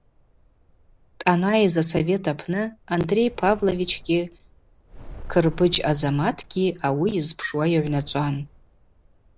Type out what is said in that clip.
Дъанайыз асовет апны Андрей Павловичгьи Кырбыджь Азаматгьи ауи йызпшуа йыгӏвначӏван.